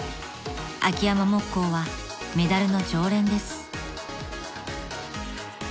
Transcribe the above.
［秋山木工はメダルの常連です］